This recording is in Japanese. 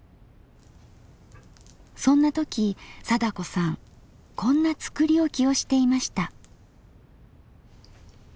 そんな時貞子さんこんな作り置きをしていました。